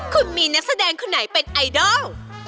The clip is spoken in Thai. คุณมีนักแสดงคนไหนเป็นไอดอล